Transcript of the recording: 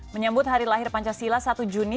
menyambut hari lahir pancasila satu juni